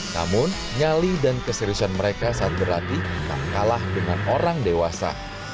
namun nyali dan keseriusan mereka saat berlatih tak kalah dengan orang dewasa